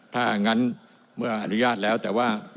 ถ้างั้นเมื่ออนุญาตแล้วแต่ว่า